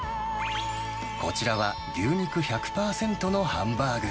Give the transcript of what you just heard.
こちらは牛肉１００％のハンバーグ。